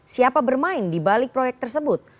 siapa bermain di balik proyek tersebut